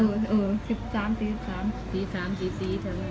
เวลาเท่าไรสี่สองสิบแอดสี่สิบสามสิบสามสี่สามเออเออ